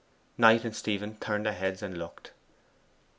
Knight and Stephen turned their heads and looked.